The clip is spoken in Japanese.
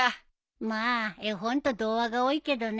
まあ絵本と童話が多いけどね。